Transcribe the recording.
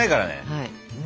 はい。